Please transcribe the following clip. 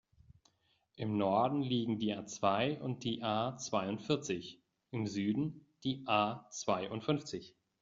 Im Norden liegen die A-zwei und die A-zweiundvierzig, im Süden die A-zweiundfünfzig.